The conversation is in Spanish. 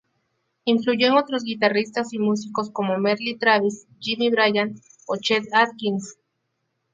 Influyó en otros guitarristas y músicos como Merle Travis, Jimmy Bryant o Chet Atkins.